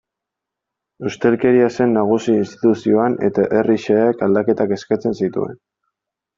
Ustelkeria zen nagusi instituzioan eta herri xeheak aldaketak eskatzen zituen.